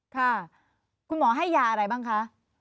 ค่ะคุณหมอให้ยาอะไรบ้างคะ